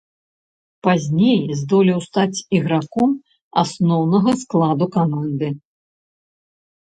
Пазней здолеў стаць іграком асноўнага складу каманды.